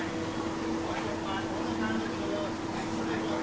สวัสดีครับสวัสดีครับ